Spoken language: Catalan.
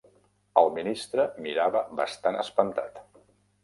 El ministre mirava bastant espantat.